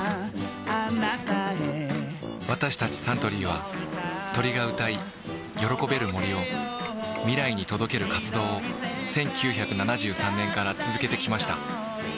私たちサントリーは鳥が歌い喜べる森を未来に届ける活動を１９７３年から続けてきました